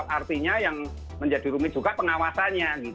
artinya yang menjadi rumit juga pengawasannya